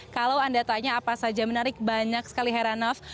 kalau anda tanya apa saja menarik banyak sekali heranov